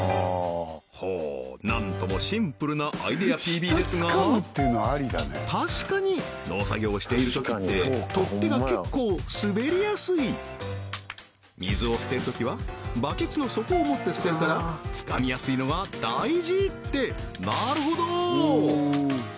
ほうなんともシンプルなアイデアＰＢですが確かに農作業をしているときって取手が結構滑りやすい水を捨てるときはバケツの底を持って捨てるからつかみやすいのが大事ってなるほど！